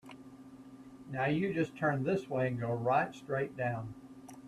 Now you just turn this way and go right straight down.